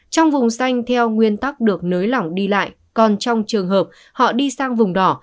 trong vùng xanh theo nguyên tắc được nới lỏng đi lại còn trong trường hợp họ đi sang vùng đỏ